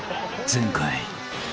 ［前回］